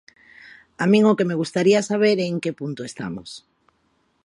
A min o que me gustaría saber é en que punto estamos.